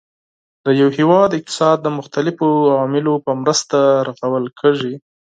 د یو هیواد اقتصاد د مختلفو عواملو په مرسته رغول کیږي.